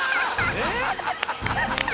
えっ！